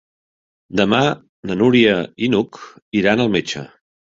Demà na Núria i n'Hug iran al metge.